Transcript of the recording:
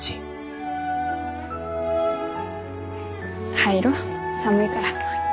入ろ寒いから。